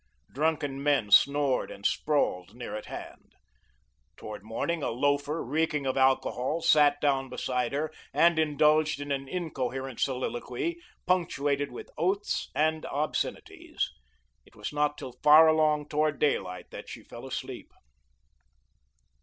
Drunken men snored and sprawled near at hand. Towards morning, a loafer, reeking of alcohol, sat down beside her, and indulged in an incoherent soliloquy, punctuated with oaths and obscenities. It was not till far along towards daylight that she fell asleep.